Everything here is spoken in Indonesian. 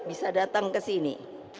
bisa datang kesini